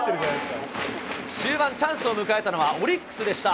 終盤、チャンスを迎えたのはオリックスでした。